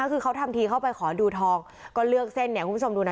คือเขาทำทีเข้าไปขอดูทองก็เลือกเส้นเนี่ยคุณผู้ชมดูนะ